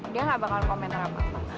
dia gak bakal komentar apa